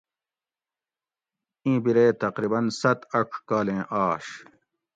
ایں بیرے تقریباۤ ست اڄ کالیں آش